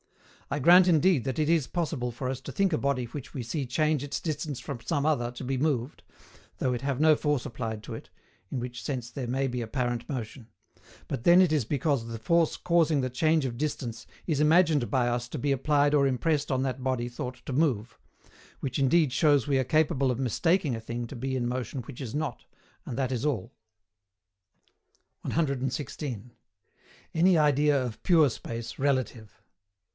I grant indeed that it is possible for us to think a body which we see change its distance from some other to be moved, though it have no force applied to it (in which sense there may be apparent motion), but then it is because the force causing the change of distance is imagined by us to be applied or impressed on that body thought to move; which indeed shows we are capable of mistaking a thing to be in motion which is not, and that is all. 116. ANY IDEA OF PURE SPACE RELATIVE.